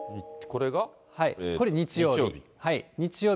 これ、日曜日。